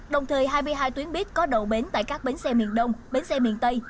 đồng thời hai mươi hai tuyến buýt có đầu bến tại các bến xe miền đông bến xe miền tây